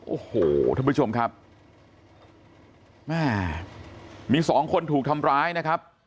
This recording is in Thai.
โอ้โหท่านผู้ชมครับแม่มีสองคนถูกทำร้ายนะครับ